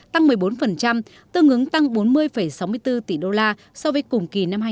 tăng một mươi bốn tương ứng tăng bốn mươi sáu mươi bốn